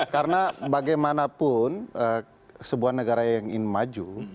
karena bagaimanapun sebuah negara yang maju